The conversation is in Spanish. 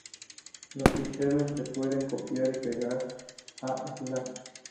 Los ficheros se pueden copiar y pegar a Slack.